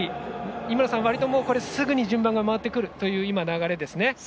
井村さん、わりとすぐ順番が回ってくる流れですね。